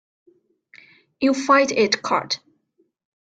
You fight it cut.